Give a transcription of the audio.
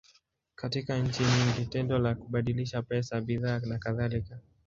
Katika nchi nyingi, tendo la kubadilishana pesa, bidhaa, nakadhalika.